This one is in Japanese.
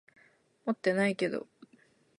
持ってないけど。